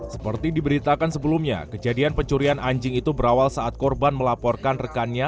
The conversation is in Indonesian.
seperti diberitakan sebelumnya kejadian pencurian anjing itu berawal saat korban melaporkan rekannya